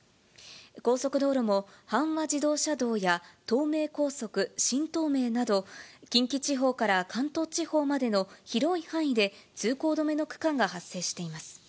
高速道路も、阪和自動車道や東名高速、新東名など、近畿地方から関東地方までの広い範囲で通行止めの区間が発生しています。